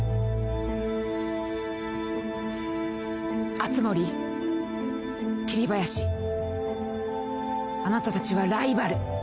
熱護桐林あなたたちはライバル。